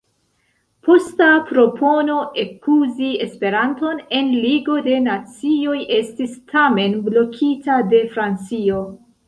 Posta propono ekuzi Esperanton en Ligo de Nacioj estis tamen blokita de Francio.